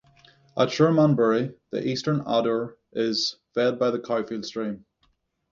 At Shermanbury, the eastern Adur is fed by the Cowfold Stream.